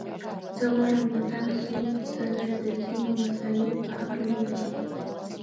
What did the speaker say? زه غواړم له تاسو سره د ځينو مسايلو په هکله وغږېږم.